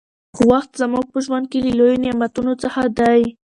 وخت زموږ په ژوند کې له لويو نعمتونو څخه دى.